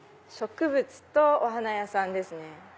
植物とお花屋さんですね。